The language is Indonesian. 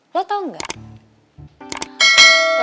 lo tau gak